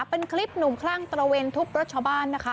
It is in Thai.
เป็นคลิปหนุ่มคลั่งตระเวนทุบรถชาวบ้านนะคะ